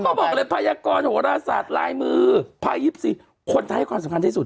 เขาบอกเลยพยากรโหราศาสตร์ลายมือภาย๒๔คนไทยให้ความสำคัญที่สุด